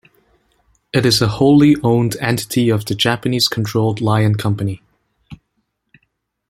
It is a wholly owned entity of the Japanese-controlled Lion company.